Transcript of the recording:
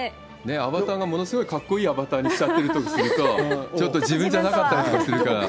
アバターが、ものすごいかっこいいアバターとかにしちゃったりすると、ちょっと自分じゃなかったりとかするから。